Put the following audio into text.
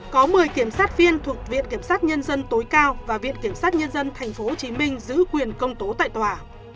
có một mươi kiểm sát viên thuộc viện kiểm sát nhân dân tối cao và viện kiểm sát nhân dân tp hcm giữ quyền công tố tại tòa